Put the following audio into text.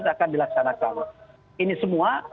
akan dilaksanakan ini semua